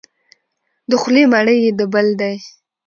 د خولې مړی یې د بل دی.